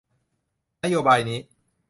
นโยบายนี้